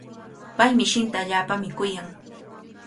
Pay mishinta allaapami kuyan.